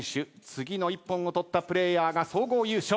次の一本を取ったプレーヤーが総合優勝。